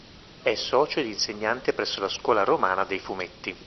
È socio ed insegnante presso La Scuola Romana Dei Fumetti.